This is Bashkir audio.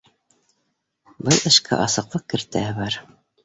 Был эшкә асыҡлыҡ кертәһе бар